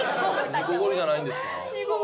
煮こごりじゃないですよ。